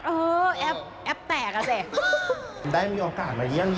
เออแอปแอพแตกแล้ว